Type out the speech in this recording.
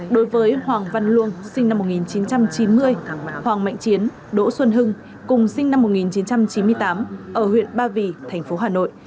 đối với hoàng văn luông sinh năm một nghìn chín trăm chín mươi hoàng mạnh chiến đỗ xuân hưng cùng sinh năm một nghìn chín trăm chín mươi tám ở huyện ba vì thành phố hà nội